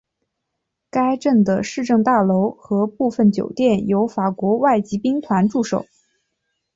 该镇的市政大楼和部分酒店有法国外籍兵团驻守。